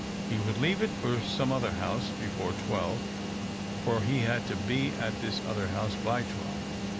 He would leave it for some other house before twelve, for he had to be at this other house by twelve.